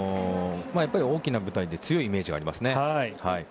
大きな舞台で強いイメージがありますね。